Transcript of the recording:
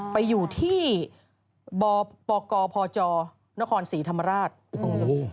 ไปอยู่ที่ปรากฎพจณภศรีธรรมาราช